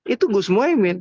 itu gus muhaymin